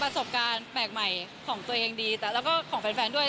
สมบูรณ์แปลกใหม่ของตัวเองดีแล้วก็ของแฟนด้วย